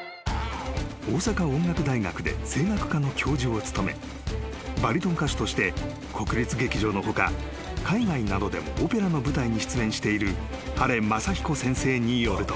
［大阪音楽大学で声楽科の教授を務めバリトン歌手として国立劇場の他海外などでもオペラの舞台に出演している晴雅彦先生によると］